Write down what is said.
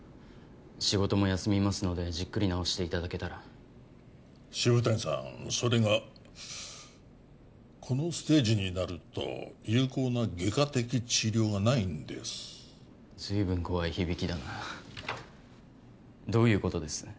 仕事も休みますのでじっくり治していただけたら渋谷さんそれがこのステージになると有効な外科的治療がないんです随分怖い響きだなどういうことです？